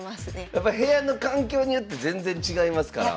やっぱ部屋の環境によって全然違いますから。